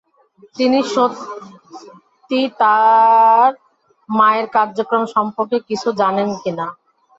তিনি সত্যই তার মায়ের কার্যক্রম সম্পর্কে কিছু জানেন কিনা।